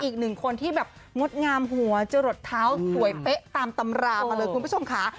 อีกหนึ่งคนที่แบบงดงามหัวจะหลดเท้าสวยเป๊ะตามตำรามาเลยคุณผู้ชมค่ะ